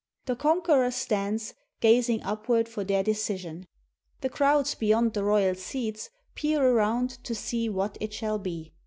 The conqueror stands, gazing upward for their decision. The crowds beyond the royal seats peer around to see what it shall be.